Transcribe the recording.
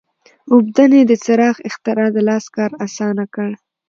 اوبدنې د څرخ اختراع د لاس کار اسانه کړ.